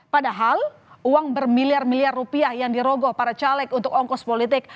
padahal uang bermiliar miliar rupiah yang dirogoh para caleg untuk ongkos politik